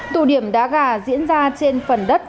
tụ điểm đá gà diễn ra trên phần đất